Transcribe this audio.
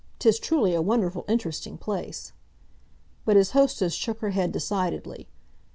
'Tis truly a wonderful interesting place." But his hostess shook her head decidedly.